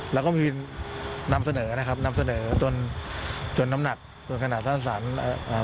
แล้วก็มีนำเสนอนะครับนำเสนอจนจนน้ำหนักจนขนาดท่านสารเอ่อ